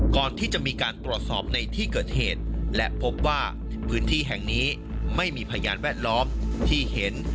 ก่อนที่จะมีการตรวจสอบในที่เกิดเหตุและพบว่าพื้นที่แห่งนี้ไม่มีพยานแวดล้อมที่เห็น